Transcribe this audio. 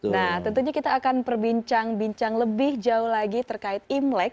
nah tentunya kita akan perbincang bincang lebih jauh lagi terkait imlek